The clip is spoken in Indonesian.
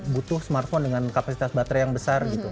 butuh smartphone dengan kapasitas baterai yang besar gitu